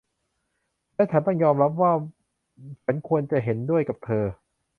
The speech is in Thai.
และฉันต้องยอมรับว่า ฉันควรจะเห็นด้วยกับเธอ